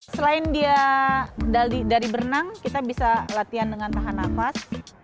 selain dia dari berenang kita bisa latihan dengan tahan nafas